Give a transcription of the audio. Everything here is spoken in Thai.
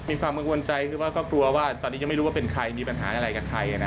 มีความบริเวณใจกลัวว่าตอนนี้ไม่รู้ว่าเป็นใครมีปัญหาอะไรกับใคร